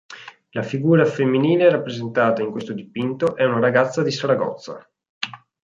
La figura femminile rappresentata in questo dipinto è una ragazza di Saragozza.